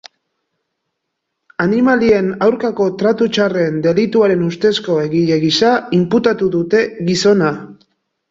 Animalien aurkako tratu txarren delituaren ustezko egile gisa inputatu dute gizona.